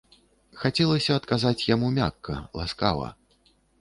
Хацелася адказаць яму мякка, ласкава.